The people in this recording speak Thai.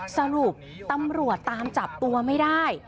สรุปตำรวจตามจับตัวไม่ได้